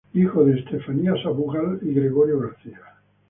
Hijo de Gregorio García y Estefanía Sabugal.